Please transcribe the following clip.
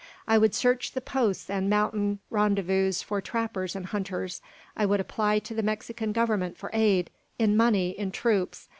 I would search the posts and mountain rendezvous for trappers and hunters. I would apply to the Mexican Government for aid, in money in troops.